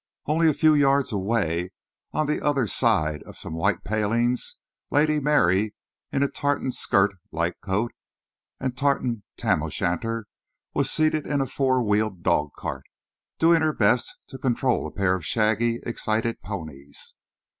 Only a few yards away, on the other side of some white palings, Lady Mary, in a tartan skirt, light coat and tartan tam o' shanter, was seated in a four wheeled dogcart, doing her best to control a pair of shaggy, excited ponies.